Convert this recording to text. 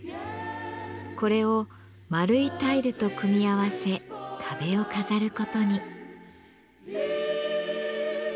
これを丸いタイルと組み合わせ壁を飾る事に。